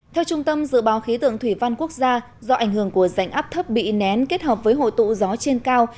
theo trung tâm dự báo khí tượng thủy văn quốc gia do ảnh hưởng của rảnh áp thấp bị nén kết hợp với hội tụ gió trên cao